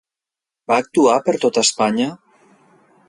Va actuar per tot Espanya?